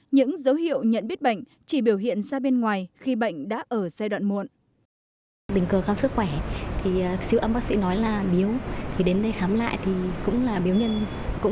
những dấu hiệu nhận biết bệnh chỉ biểu hiện ra bên ngoài khi bệnh đã ở giai đoạn muộn